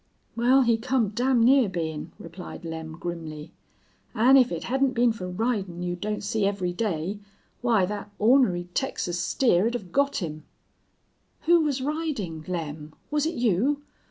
"Wal, he come damn near bein'," replied Lem, grimly. "An' if it hedn't been fer ridin' you don't see every day, why thet ornery Texas steer'd hev got him." "Who was riding? Lem, was it you?